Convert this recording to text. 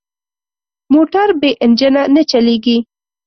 موټر بې انجن نه چلېږي.